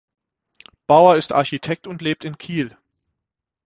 Baur ist Architekt und lebt in Kiel.